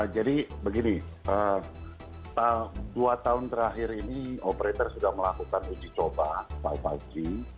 jadi begini dua tahun terakhir ini operator sudah melakukan uji coba lima g